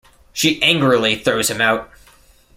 She angrily throws him out.